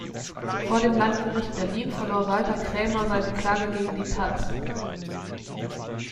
Vor dem Landgericht Berlin verlor Walter Krämer seine Klage gegen die "taz".